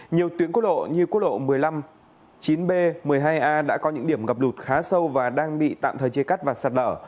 nhiều tuyến quốc lộ như quốc lộ một mươi năm chín b một mươi hai a đã có những điểm ngập lụt khá sâu và đang bị tạm thời chia cắt và sạt lở